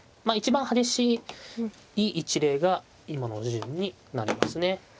まあ一番激しい一例が今の順になりますね。